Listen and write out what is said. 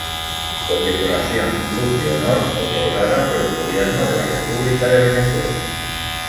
Condecoración "Cruz de Honor" otorgada por el gobierno de la República de Venezuela.